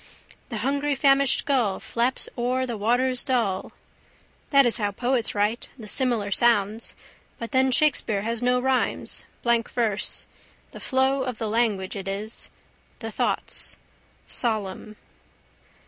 The hungry famished gull Flaps o'er the waters dull. That is how poets write, the similar sounds. But then Shakespeare has no rhymes: blank verse. The flow of the language it is. The thoughts. Solemn.